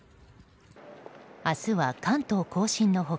明日は関東・甲信の他